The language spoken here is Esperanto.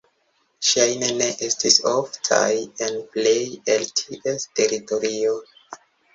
Ŝajne ne estis oftaj en plej el ties teritorio.